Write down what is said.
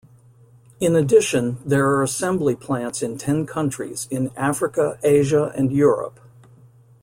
In addition, there are assembly plants in ten countries in Africa, Asia and Europe.